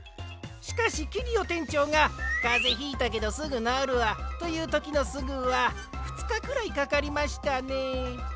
しかしキュリオてんちょうが「かぜひいたけどすぐなおるわ」というときの「すぐ」はふつかくらいかかりましたね。